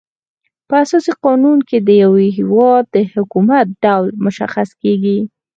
په اساسي قانون کي د یو هيواد د حکومت ډول مشخص کيږي.